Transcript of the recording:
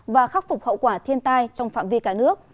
và khắc phục hậu quả thiên tai trong phạm vi cả nước